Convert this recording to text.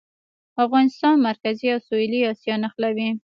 افغانستان مرکزي او سویلي اسیا نښلوي